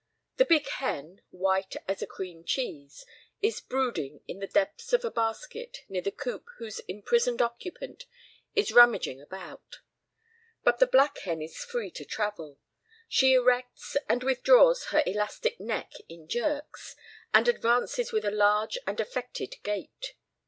The big hen, white as a cream cheese, is brooding in the depths of a basket near the coop whose imprisoned occupant is rummaging about. But the black hen is free to travel. She erects and withdraws her elastic neck in jerks, and advances with a large and affected gait.